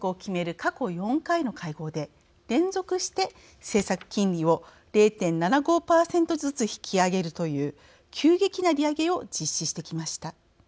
過去４回の会合で連続して政策金利を０．７５％ずつ引き上げるという急激な利上げを実施してきました。